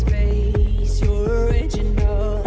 เลิศเนอะ